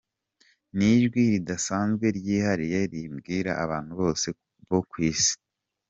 Ni ijwi ridasanzwe ryihariye ribwira abantu bose bo ku Isi.